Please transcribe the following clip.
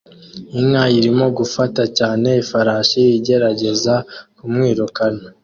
Inka irimo gufata cyane ifarashi igerageza kumwirukana